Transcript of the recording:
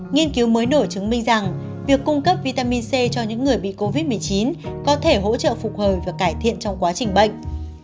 nghiên cứu mới nổi chứng minh rằng việc cung cấp vitamin c cho những người bị covid một mươi chín có thể hỗ trợ phục hồi và cải thiện trong quá trình bệnh